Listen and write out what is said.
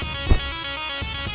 ya udah bang